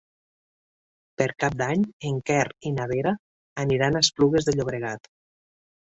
Per Cap d'Any en Quer i na Vera aniran a Esplugues de Llobregat.